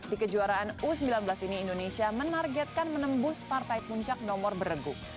di kejuaraan u sembilan belas ini indonesia menargetkan menembus partai puncak nomor beregu